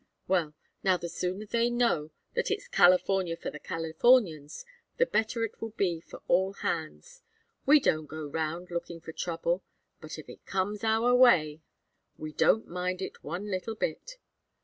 Well, now the sooner they know that it's California for the Californians the better it will be for all hands. We don't go round lookin' for trouble, but if it comes our way we don't mind it one little bit.